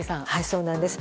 そうなんです。